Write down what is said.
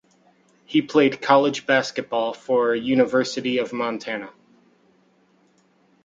He played college basketball for University of Montana.